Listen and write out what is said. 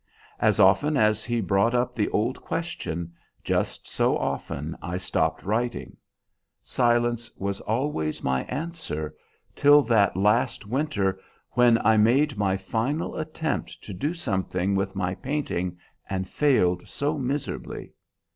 As often as he brought up the old question, just so often I stopped writing; silence was always my answer, till that last winter, when I made my final attempt to do something with my painting and failed so miserably.